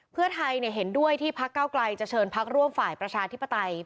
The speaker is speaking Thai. เพื่อไทยเห็นด้วยที่พักเก้าไกลจะเชิญพักร่วมฝ่ายประชาธิปไตย